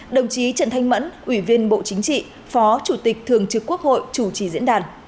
đồng chí trần thanh mẫn ủy viên bộ chính trị phó chủ tịch thường trực quốc hội chủ trì diễn đàn